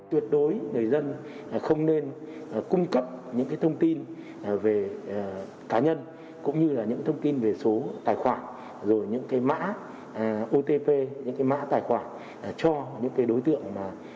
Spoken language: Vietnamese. tuyệt đối người dân không nên cung cấp những thông tin về cá nhân cũng như là những thông tin về số tài khoản rồi những cái mã otp những cái mã tài khoản cho những cái đối tượng